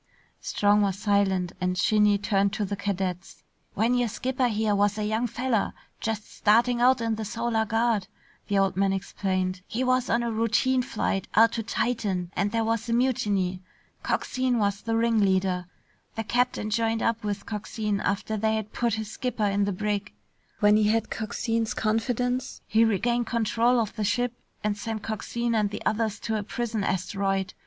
Strong was silent and Shinny turned to the cadets. "When your skipper here was a young feller just starting out in the Solar Guard," the old man explained, "he was on a routine flight out to Titan and there was a mutiny. Coxine was the ringleader. The captain joined up with Coxine after they had put his skipper in the brig. When he had Coxine's confidence, he regained control of the ship and sent Coxine and the others to a prison asteroid.